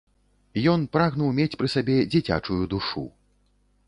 Ён прагнуў мець пры сабе дзіцячую душу.